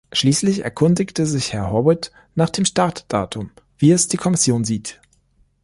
Schließlich erkundigte sich Herr Howitt nach dem Startdatum, wie es die Kommission sieht.